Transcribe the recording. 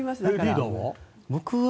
リーダーは？